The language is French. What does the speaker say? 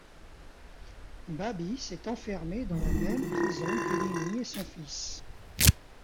Babis est enfermé dans la même prison qu'Eleni et son fils.